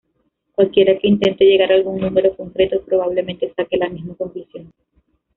Cualquiera que intente llegar a algún número concreto, probablemente saque la misma conclusión.